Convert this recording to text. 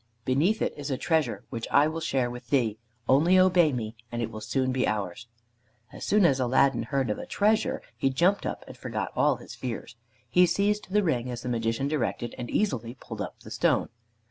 Beneath it is a treasure which I will share with thee. Only obey me, and it will soon be ours." As soon as Aladdin heard of a treasure, he jumped up and forgot all his fears. He seized the ring as the Magician directed, and easily pulled up the stone.